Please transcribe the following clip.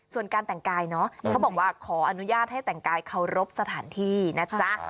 ส่วนการแต่งกายเนอะเขาบอกว่าขออนุญาตให้แต่งกายเคารพสถานที่นะจ๊ะ